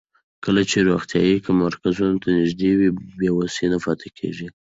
کله چې روغتیايي مرکزونه نږدې وي، بې وسۍ نه پاتې کېږي.